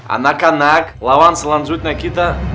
anak anak lawan selanjutnya kita